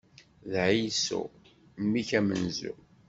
D Ɛisu! Mmi-k amenzu.